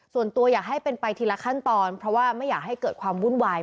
ส่วนตัวอยากให้เป็นไปทีละขั้นตอนเพราะว่าไม่อยากให้เกิดความวุ่นวาย